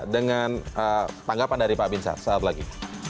dengan tanggapan dari pak binsar saat lagi